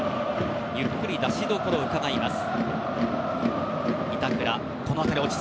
ゆっくり出しどころをうかがいます。